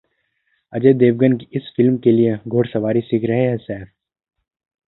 अजय देवगन की इस फिल्म के लिए घुड़सवारी सीख रहे हैं सैफ